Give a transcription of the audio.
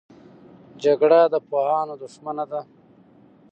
جګړه د پوهانو دښمنه ده